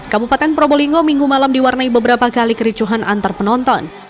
kabupaten probolinggo minggu malam diwarnai beberapa kali kericuhan antar penonton